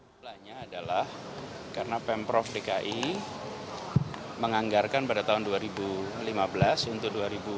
sebenarnya adalah karena pemprov dki menganggarkan pada tahun dua ribu lima belas untuk dua ribu dua puluh